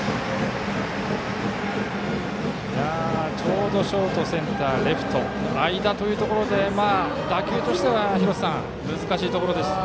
ちょうどショートとセンター、レフトの間で打球としては難しいところでしたが。